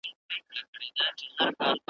نن په سپینه ورځ درځمه بتخانې چي هېر مي نه کې .